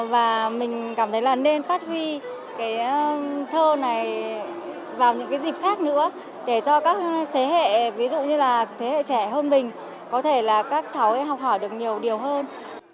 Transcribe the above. và mình cảm thấy là nên phát huy cái thơ này vào những cái dịp khác nữa để cho các thế hệ ví dụ như là thế hệ trẻ hơn mình có thể là các cháu ấy học hỏi được nhiều điều hơn